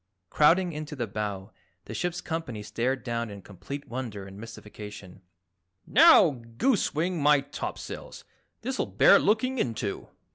Crowding into the bow, the ship's company stared down in complete wonder and mystification. "Now, goosewing my topsails, this'll bear looking into!"